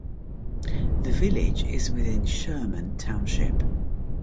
The village is within Sherman Township.